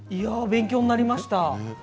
勉強になりました。